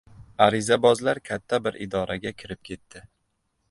Arizabozlar katta bir idoraga kirib ketdi.